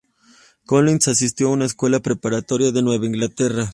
Collins asistió a una escuela preparatoria de Nueva Inglaterra.